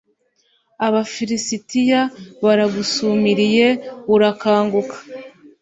abafilisitiya baragusumiye urakanguka